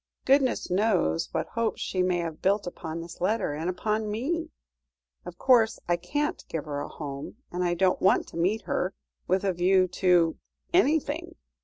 Goodness knows what hopes she may have built upon this letter, and upon me. Of course, I can't give her a home, and I don't want to meet her with a view to anything.